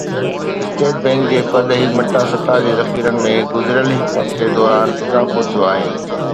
state bank جي پرڏيهي مٽاسٽا جي ذخيرن ۾ گذريل هڪ هفتي دوران اضافو ٿيو آهي